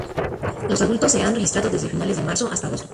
Los adultos se han registrado desde finales de marzo hasta agosto.